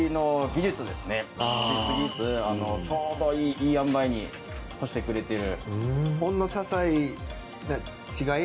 干しすぎずちょうどいいいいあんばいに干してくれてる。